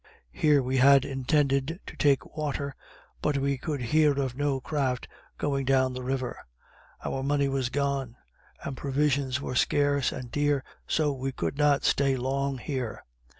Here we had intended to take water, but we could hear of no craft going down the river. Our money was gone, and provisions were scarce and dear, so we could not stay long here.